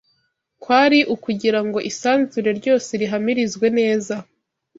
Kwari ukugira ngo isanzure ryose rihamirizwe neza